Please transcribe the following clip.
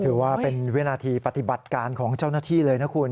ถือว่าเป็นวินาทีปฏิบัติการของเจ้าหน้าที่เลยนะคุณ